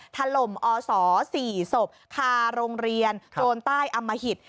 ถล่มอศ๔ศพคาโรงเรียนโจรใต้อมหิต